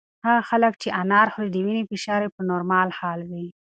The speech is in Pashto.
هغه خلک چې انار خوري د وینې فشار یې په نورمال حال وي.